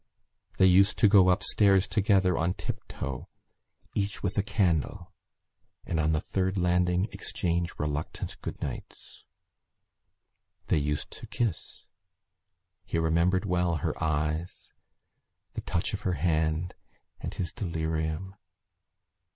They used to go upstairs together on tiptoe, each with a candle, and on the third landing exchange reluctant good nights. They used to kiss. He remembered well her eyes, the touch of her hand and his delirium....